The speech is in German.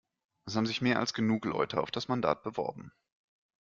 Es haben sich mehr als genug Leute auf das Mandat beworben.